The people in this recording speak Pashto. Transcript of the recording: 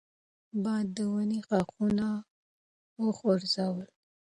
باد د ونې ښاخونه وخوځول.